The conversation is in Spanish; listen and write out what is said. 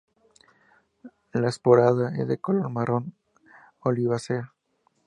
La esporada es de color marrón olivácea.